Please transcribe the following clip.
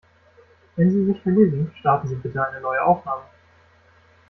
Wenn Sie sich verlesen, starten Sie bitte eine neue Aufnahme.